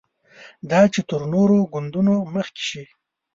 دا چې تر نورو ګوندونو مخکې شي.